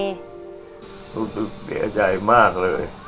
สงสัยเลือดเจียงใจมากเลย